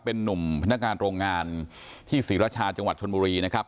เป็นนุ่มพนักงานโรงงานที่ศรีราชาจังหวัดชนบุรีนะครับ